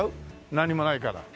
何もないから。